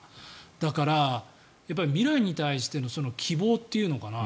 だから未来に対しての希望というのかな